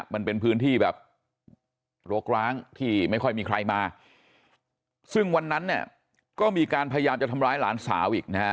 มันเป็นพื้นที่แบบโรคร้างที่ไม่ค่อยมีใครมาซึ่งวันนั้นเนี่ยก็มีการพยายามจะทำร้ายหลานสาวอีกนะฮะ